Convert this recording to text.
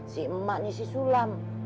si emaknya si sulam